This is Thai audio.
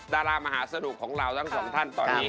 ดารามหาสนุกของเราทั้งสองท่านตอนนี้